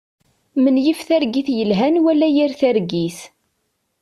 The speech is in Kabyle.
Menyif targit yelhan wala yir targit.